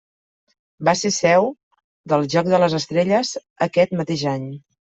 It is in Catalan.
Va ser seu del Joc de les Estrelles aquest mateix any.